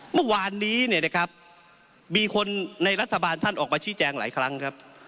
เมื่อวานนี้เนี่ยนะครับมีคนในรัฐบาลท่านออกมาชี้แจงหลายครั้งครับ